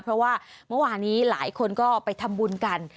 เพราะว่าเมื่อวานนี้หลายคนก็ไปทำบุญกัน